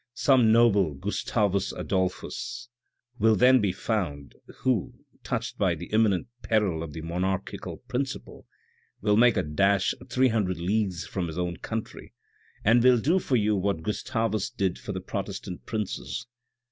Some noble Gustavus Adolphus will then be found who, touched by the imminent peril of the monarchical principle, will make a dash three hundred leagues from his own country, and will do for you what Gustavus did for the Protestant princes.